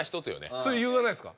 それ言わないですか？